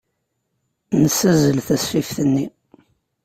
Nessazzel tasfift-nni.